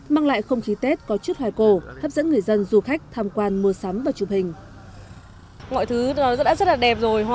mang lại không khí tết có chút hoài cổ hấp dẫn người dân du khách tham quan mua sắm và chụp hình